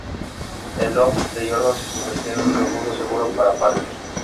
El loft de Jordan se convirtió en un refugio seguro para Parker.